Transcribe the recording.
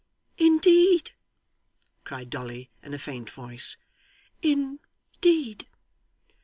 'Indeed!' cried Dolly in a faint voice. 'In deed!